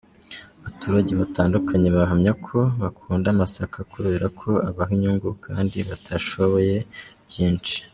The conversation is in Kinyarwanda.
Abaturage batandukanye bahamya ko bakunda amasaka kubera ko abaha inyungu kandi batashoye byinshi.